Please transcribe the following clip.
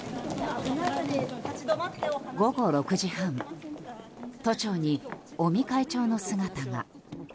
午後６時半都庁に尾身会長の姿が。